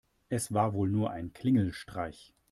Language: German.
Es war wohl nur ein Klingelstreich.